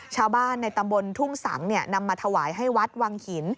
ชาวบ้านในตำบลทุ่งสังนำมาถวายให้วัดวังหิน